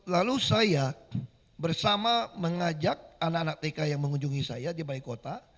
lalu saya bersama mengajak anak anak tk yang mengunjungi saya di balai kota